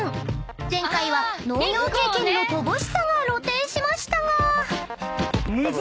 ［前回は農業経験の乏しさが露呈しましたが］